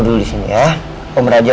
gak suka ya sama raja